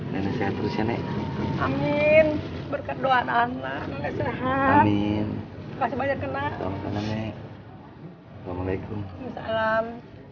berdoa anak anak sehat amin kasih banyak kenal karena nek assalamualaikum salam